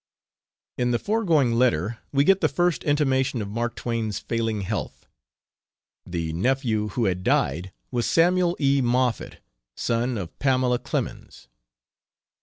C. In the foregoing letter we get the first intimation of Mark Twain's failing health. The nephew who had died was Samuel E. Moffett, son of Pamela Clemens.